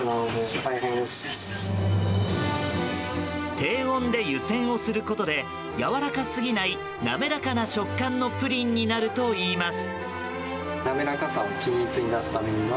低温で湯せんをすることでやわらかすぎない滑らかな食感のプリンになるといいます。